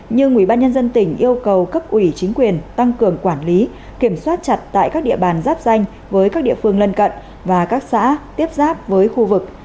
nhưng ubnd tỉnh yêu cầu cấp ủy chính quyền tăng cường quản lý kiểm soát chặt tại các địa bàn giáp danh với các địa phương lân cận và các xã tiếp giáp với khu vực